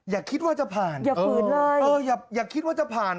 อย่าคิดว่าจะผ่านอย่าคิดว่าจะผ่าน